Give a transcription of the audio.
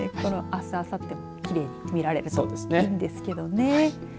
あす、あさってもきれいに見られるといいんですけどね。